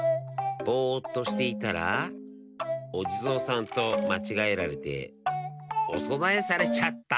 ぼっとしていたらおじぞうさんとまちがえられておそなえされちゃった。